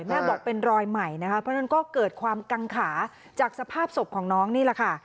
แม่บอกเป็นรอยใหม่นะคะเพราะฉะนั้นก็เกิดความกังขาจากสภาพศพของน้องนี่แหละค่ะ